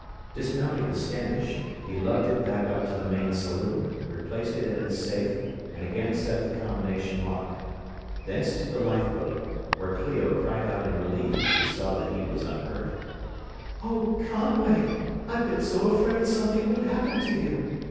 Dismounting the Standish, he lugged it back up to the main saloon, replaced it in its safe and again set the combination lock. Thence to the lifeboat, where Clio cried out in relief as she saw that he was unhurt. "Oh, Conway, I've been so afraid something would happen to you!"